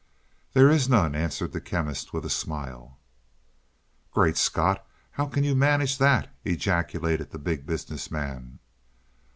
"There is none!" answered the Chemist with a smile. "Great Scott, how can you manage that?" ejaculated the Big Business Man.